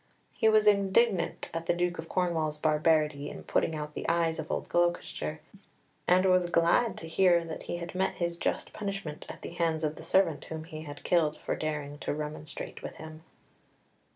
He was indignant at the Duke of Cornwall's barbarity in putting out the eyes of Gloucester, and was glad to hear that he had met his just punishment at the hands of the servant whom he had killed for daring to remonstrate with him.